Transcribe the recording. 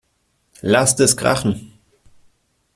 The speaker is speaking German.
Lasst es krachen!